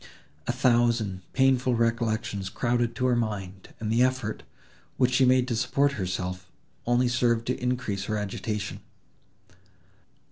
A thousand painful recollections crowded to her mind, and the effort, which she made to support herself, only served to increase her agitation.